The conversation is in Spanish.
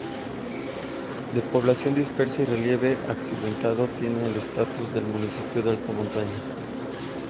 De población dispersa y relieve accidentado, tiene el estatus de municipio de alta montaña.